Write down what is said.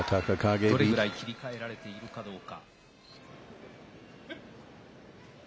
どれぐらい切り替えられているかどうか。